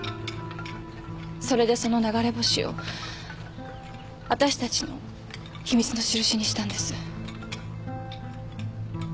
それでその流れ星をわたしたちの秘密の印にしたんです。